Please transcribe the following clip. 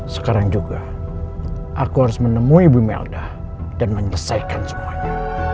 sekarang juga aku harus menemui ibu melda dan menyelesaikan semuanya